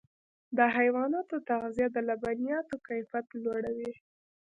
د حیواناتو تغذیه د لبنیاتو کیفیت لوړوي.